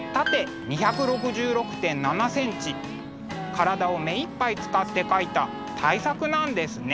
体を目いっぱい使って描いた大作なんですね。